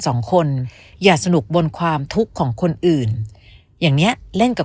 สองคนอย่าสนุกบนความทุกข์ของคนอื่นอย่างเนี้ยเล่นกับ